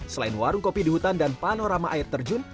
selain warung kopi di hutan dan panorama air terjun